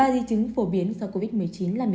ba di chứng phổ biến do covid một mươi chín là mệt mỏi